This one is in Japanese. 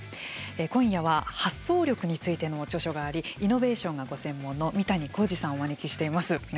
今夜は、発想力についての著書がありイノベーションがご専門の三谷宏治さんをお招きしています。